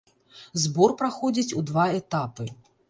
Збор праходзіць у два этапы.